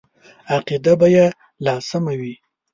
عقیده به یې لا سمه وي.